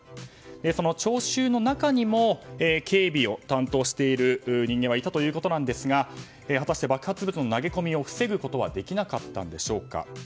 その聴衆の中にも警備を担当している人間はいたということですが果たして爆発物の投げ込みを防ぐことはできなかったんでしょうか。